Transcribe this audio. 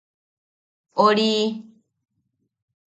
¡Ori!